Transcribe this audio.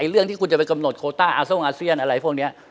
เรื่องที่คุณจะไปกำหนดโคต้าอาทรงอาเซียนอะไรพวกนี้